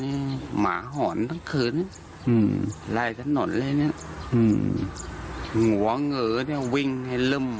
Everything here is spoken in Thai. นี่หมาหอนทั้งคืนลายดรับถนนนะหัวเหงอวิ่งให้ลุ่ม